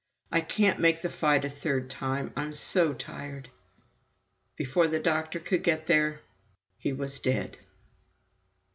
I can't make the fight a third time I'm so tired." Before the doctor could get there, he was dead.